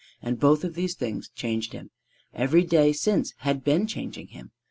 And both of these things changed him. Every day since had been changing him.